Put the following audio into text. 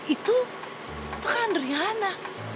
itu itu kan riana